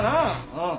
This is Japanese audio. うん。